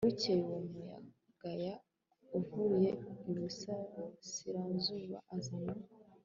Bukeye uwo muyaga uvuye iburasirazuba uzana